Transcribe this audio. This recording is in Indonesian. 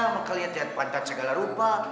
maka lihat lihat pantat segala rupa